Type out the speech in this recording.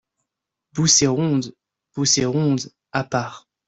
Bousséronde !» Bousséronde , à part.